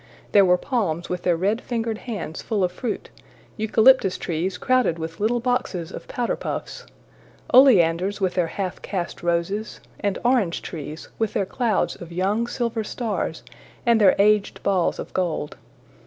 There were palms with their red fingered hands full of fruit; eucalyptus trees crowded with little boxes of powder puffs; oleanders with their half caste roses; and orange trees with their clouds of young silver stars and their aged balls of gold.